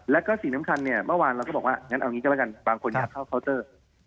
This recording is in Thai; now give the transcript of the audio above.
แล้วก็สิ่งสำคัญเนี่ยเมื่อวานเราก็บอกว่างั้นเอางี้ก็แล้วกันบางคนอยากเข้าเคาน์เตอร์